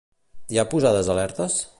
Hi ha posades alertes?